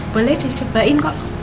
boleh dicobain kok